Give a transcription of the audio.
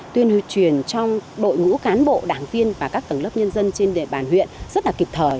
tuyên truyền trong đội ngũ cán bộ đảng viên và các tầng lớp nhân dân trên địa bàn huyện rất là kịp thời